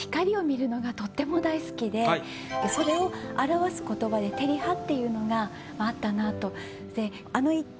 それを表す言葉で「照葉」っていうのがあったなと。